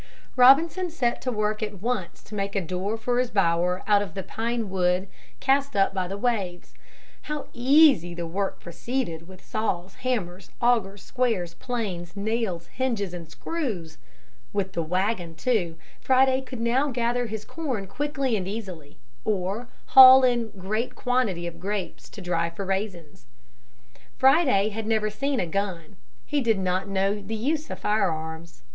Robinson set to work at once to make a door for his bower out of the pine wood cast up by the waves. How easy the work proceeded with saws, hammers, augers, squares, planes, nails, hinges, and screws! With the wagon too, Friday could now gather his corn quickly and easily, or haul in a great quantity of grapes to dry for raisins. Friday had never seen a gun. He did not know the use of firearms.